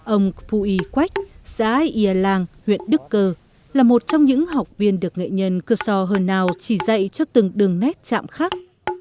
ông kpui quách là một trong những học viên được nghệ nhân cơ sò hờ nào chỉ dạy cho từng đường nét chạm khắc